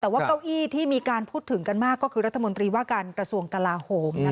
แต่ว่าเก้าอี้ที่มีการพูดถึงกันมากก็คือรัฐมนตรีว่าการกระทรวงกลาโหม